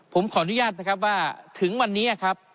ผมขออนุญาตนะครับว่าถึงวันนี้ครับ